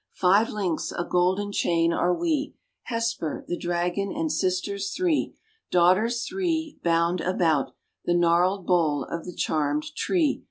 Five links, a golden chain are we, Hesper, the Dragon, and Sisters three, Daughters three, Bound about The gnarl&d bole of the charmed tree.